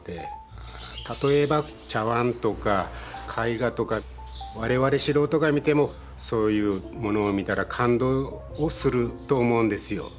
例えば茶わんとか絵画とか我々素人が見てもそういうものを見たら感動をすると思うんですよ。